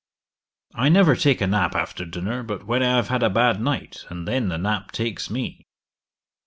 'I never take a nap after dinner but when I have had a bad night, and then the nap takes me.'